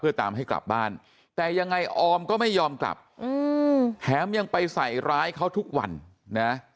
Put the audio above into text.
ตามให้กลับบ้านแต่ยังไงออมก็ไม่ยอมกลับแถมยังไปใส่ร้ายเขาทุกวันนะ